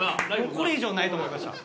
これ以上ないと思いました。